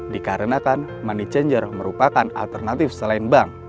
dikarenakan money changer merupakan alternatif selain bank